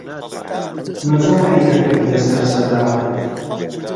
مەزاحی ئەکرد لەسەر سەداقەت